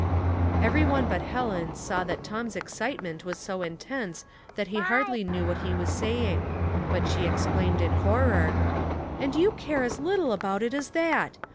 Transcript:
Every one but Helen saw that Tom's excite ment was so intense that he nardly knew what he was saying ; but she exclaimed in horror, "And you care as little about it as that!